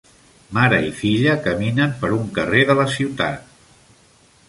Mare i filla caminen per un carrer de la ciutat.